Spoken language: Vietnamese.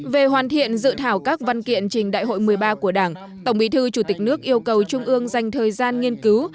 về hoàn thiện dự thảo các văn kiện trình đại hội một mươi ba của đảng tổng bí thư chủ tịch nước yêu cầu trung ương dành thời gian nghiên cứu